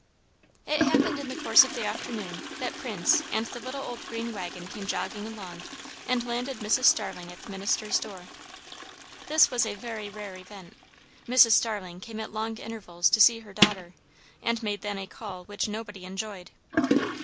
It happened in the course of the afternoon that Prince and the old little green waggon came jogging along and landed Mrs. Starling at the minister's door. This was a very rare event; Mrs. Starling came at long intervals to see her daughter, and made then a call which nobody enjoyed.